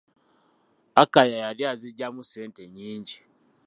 Akaya yali azigyamu ssente nyingi.